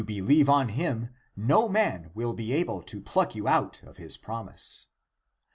ACTS OF PETER 6l lieve on him, no man will be able to pluck you out of his promise.